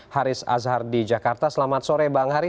haris azhar di jakarta selamat sore bang haris